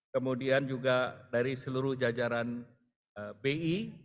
kemudian juga dari seluruh jajaran bi